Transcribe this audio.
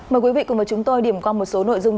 mời quý vị cùng với chúng tôi điểm qua một số nội dung